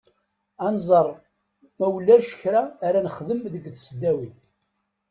Ad nẓer ma ulac kra ara nexdem deg tesdawit.